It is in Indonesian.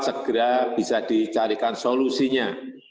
segera bisa dicarikan solusinya